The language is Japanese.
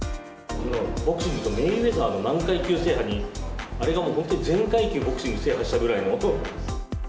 ボクシングでいうと、メイウェザーの何階級制覇に、あれがもう本当に全階級、ボクシング制覇したくらいの。